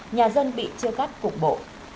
nhà dân bị chưa cắt cục bộ